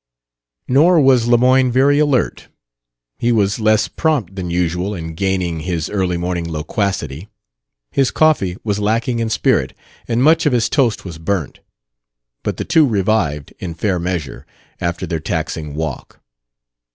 Nor was Lemoyne very alert. He was less prompt than usual in gaining his early morning loquacity. His coffee was lacking in spirit, and much of his toast was burnt. But the two revived, in fair measure, after their taxing walk.